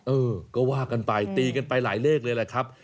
เออก็ว่ากันไปตีกันไปหลายเลขเลยแหละครับ